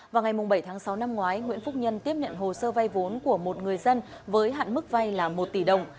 vào ngày bảy tháng sáu năm ngoái nguyễn phúc nhân tiếp nhận hồ sơ vay vốn của một người dân với hạn mức vay là một tỷ đồng